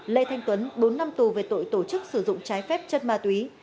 lê thanh tuấn bốn năm tù về tội tổ chức sử dụng trái phép chất ma túy